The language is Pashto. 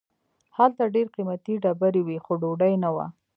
هلته ډیر قیمتي ډبرې وې خو ډوډۍ نه وه.